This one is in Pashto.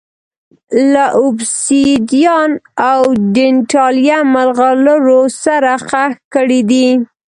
له اوبسیدیان او ډینټالیم مرغلرو سره ښخ کړي دي